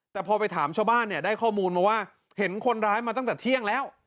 แต่พอไปถามชาวบ้านเนี่ยได้ข้อมูลมาว่าเห็นคนร้ายมาตั้งแต่เที่ยงแล้ว